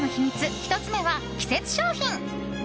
１つ目は、季節商品。